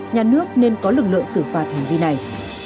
nhà nước nên có lực lượng xử phạt hành vi này